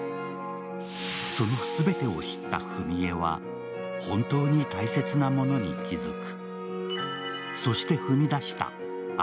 その全てを知った史絵は、本当に大切なものに気づく。